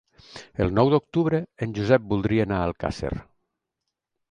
El nou d'octubre en Josep voldria anar a Alcàsser.